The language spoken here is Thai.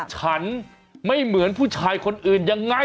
ฉันไม่เหมือนผู้ชายคนอื่นยังไง